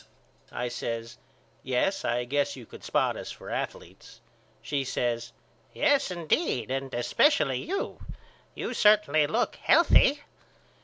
I says Yes I guess you could spot us for athaletes. She says Yes indeed and specially you. You certainly look healthy.